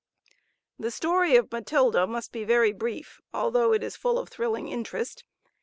The story of Matilda must be very brief, although it is full of thrilling interest.